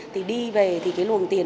thì đi về thì cái luồng tiền